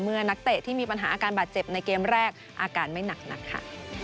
นักเตะที่มีปัญหาอาการบาดเจ็บในเกมแรกอาการไม่หนักค่ะ